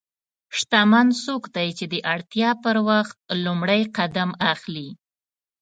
شتمن څوک دی چې د اړتیا پر وخت لومړی قدم اخلي.